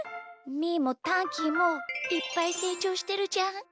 みーもタンキーもいっぱいせいちょうしてるじゃん。